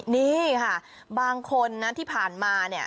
นี่ค่ะบางคนที่ผ่านมา